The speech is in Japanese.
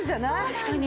確かに。